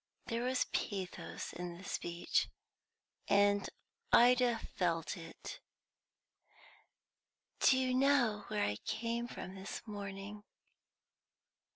There was pathos in the speech, and Ida felt it. "Do you know where I came from this morning?"